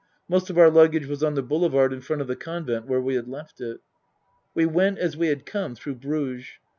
(Most of our luggage was on the Boulevard in front of the Convent where we had left it.) We went, as we had come, through Bruges.